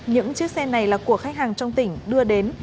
những chiếc xe này là của khách hàng trong tỉnh đưa đến